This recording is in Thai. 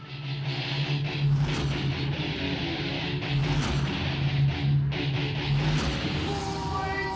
ด้วยสถิติการชกชกมาแล้ว๘๙ฝ่ายเสมอ๒ฝ่ายเสมอ๒